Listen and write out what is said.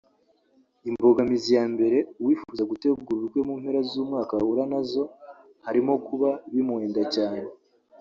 Imbogamizi ya mbere uwifuza gutegura ubukwe mu mpera z’umwaka ahura nazo harimo kuba bimuhenda cyane